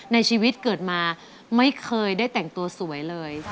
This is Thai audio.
ในชีวิตเกิดมาไม่เคยได้แต่งตัวสวยเลย